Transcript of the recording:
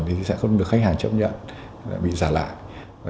thì sẽ không được khách hàng chấp nhận bị giả lại